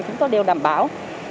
chúng tôi đều đảm bảo